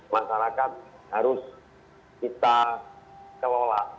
masyarakat harus kita kelola